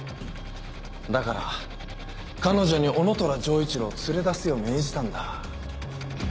だから彼女に男虎丈一郎を連れ出すよう命じたんだ。